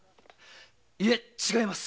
いえ違います！